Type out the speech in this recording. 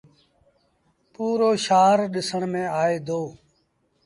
پورو شآهر ڏسڻ ميݩ آئي دو۔